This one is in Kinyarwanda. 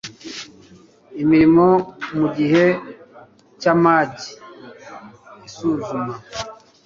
imirimo mu gihe cy amage isuzuma